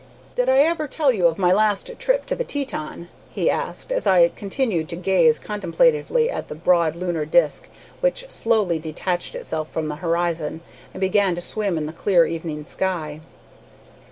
"Did I ever tell you of my last trip to the Teton?" he asked, as I continued to gaze contemplatively at the broad lunar disk which slowly detached itself from the horizon and began to swim in the clear evening sky.